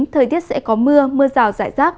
thời tiết sẽ có mưa mưa rào rải rác